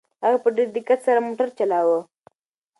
هغه په ډېر دقت سره موټر چلاوه.